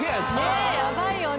ねっやばいよね。